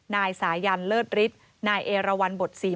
นายสายันเลิศฤทธิ์นายเอรวรรณบทศรี